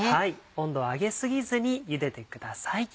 温度は上げ過ぎずにゆでてください。